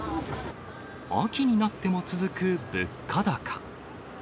秋になっても続く物価高。